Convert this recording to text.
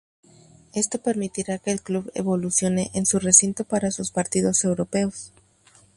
Esto permitirá que el club evolucione en su recinto para sus partidos europeos.